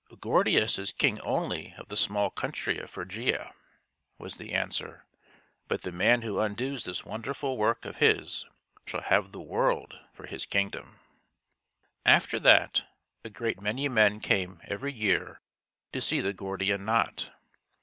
" Gordius is king only of the small country of Phrygia," was the answer. " But the man who 92 THIRTY MORE FAMOUS STORIES undoes this wonderful work of his shall have the world for his kingdom." After that a great many men came every year to see the Gordian knot.